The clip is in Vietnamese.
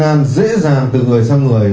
là dễ dàng từ người sang người